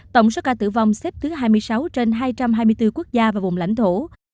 tổng số ca tử vong xếp thứ hai mươi sáu trên hai trăm hai mươi bốn quốc gia và vùng lãnh thổ